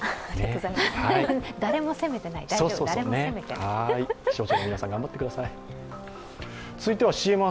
誰も責めてない、大丈夫。